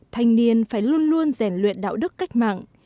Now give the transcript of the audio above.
thanh niên phải luôn luôn rèn luyện đạo đức cách mạng